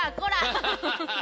アハハハ。